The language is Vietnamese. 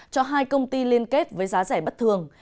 cho hai công ty liên kết với giá rẻ bất thường